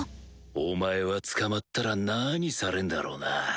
お前は捕まったら何されんだろうな？